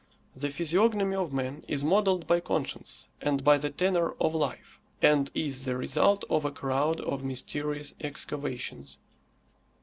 The physiognomy of man is modelled by conscience, and by the tenor of life, and is the result of a crowd of mysterious excavations.